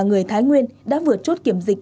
người thái nguyên đã vượt chốt kiểm dịch